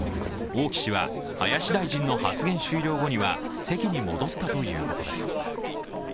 王毅氏は林大臣の発言終了後には席に戻ったということです。